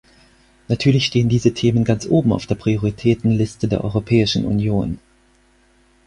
Natürlich stehen diese Themen ganz oben auf der Prioritätenliste der Europäischen Union.